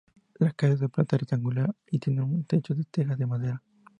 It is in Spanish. La casa es de planta rectangular y tiene un techo de tejas de madera.